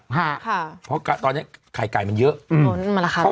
ค่ะค่ะเพราะตอนเนี้ยไข่ไก่มันเยอะอืมอ๋อนั่นมันราคาดู